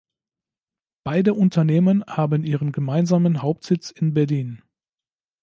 Beide Unternehmen haben ihren gemeinsamen Hauptsitz in Berlin.